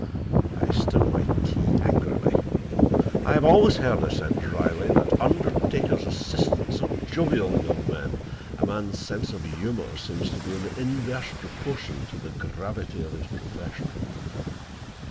I stirred my tea angrily. "I have always heard," I said dryly, "that undertakers' assistants are jovial young men. A man's sense of humor seems to be in inverse proportion to the gravity of his profession."